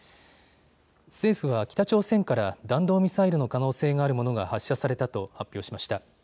政府は北朝鮮から弾道ミサイルの可能性があるものが発射されたと発表しました。